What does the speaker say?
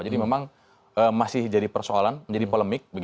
jadi memang masih jadi persoalan menjadi polemik